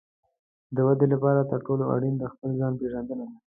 د ودې لپاره تر ټولو اړین د خپل ځان پېژندنه ده.